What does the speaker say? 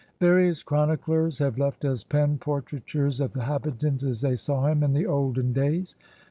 Various chroniclers have left us pen portraitures of the habitant as they saw him in the olden days.